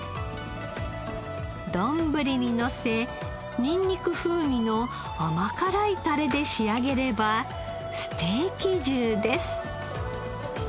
どんぶりにのせニンニク風味の甘辛いタレで仕上げればステーキ重です。